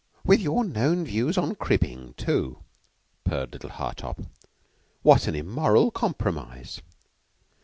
"With your known views on cribbing, too?" purred little Hartopp. "What an immoral compromise!"